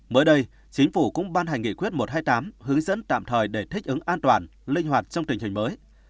mới đây chính phủ cũng ban hành nghị quyết một trăm hai mươi tám hướng dẫn tạm thời để thích ứng an toàn linh hoạt trong tình hình mới